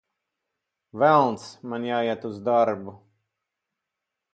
Velns, man jāiet uz darbu!